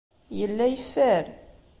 Yella yeffer.